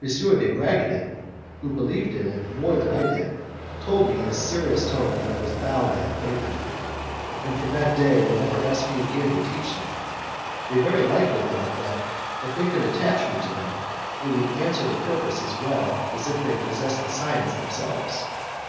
M. de Bragadin who believed in it more than I did, told me in a serious tone that I was bound to have faith in it, and from that day they never asked me again to teach them. They very likely thought that, if they could attach me to them, it would answer the purpose as well as if they possessed the science themselves.